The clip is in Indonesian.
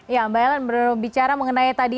ya mbak ellen berbicara mengenai tadi